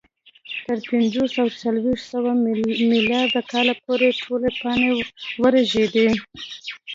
تر پنځوس او څلور سوه میلادي کاله پورې ټولې پاڼې ورژېدې